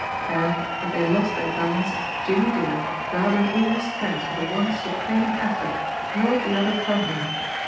And, as they lost their balance, Jimmie Dale, gathering all his strength for the one supreme effort, hurled the other from him.